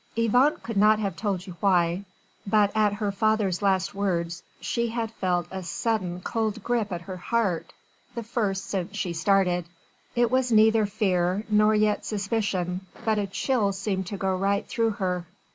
Yvonne could not have told you why, but at her father's last words she had felt a sudden cold grip at her heart the first since she started. It was neither fear nor yet suspicion, but a chill seemed to go right through her.